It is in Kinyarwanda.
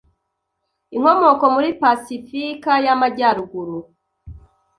Inkomoko muri pasifika y'amajyaruguru